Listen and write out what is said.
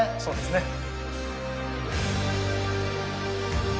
そうですね。